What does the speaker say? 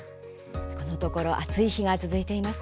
このところ暑い日が続いています。